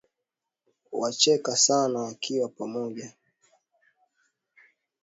Wanacheka sana wakiwa pamoja